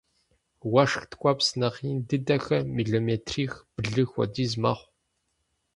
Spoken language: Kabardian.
Уэшх ткӏуэпс нэхъ ин дыдэхэр миллиметрих-блы хуэдиз мэхъу.